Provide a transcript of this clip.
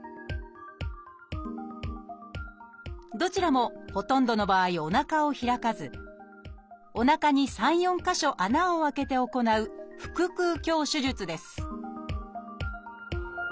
どちらもほとんどの場合おなかを開かずおなかに３４か所穴を開けて行う腹腔鏡手術です